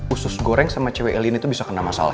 usus goreng sama cewek elin itu bisa kena masalah